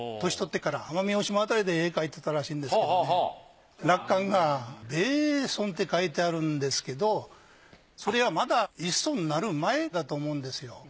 年取ってから奄美大島あたりで絵描いてたらしいんですけどね落款が米邨って書いてあるんですけどそれはまだ一村になる前だと思うんですよ。